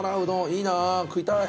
いいな食いたい。